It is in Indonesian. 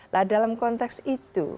lah dalam konteks itu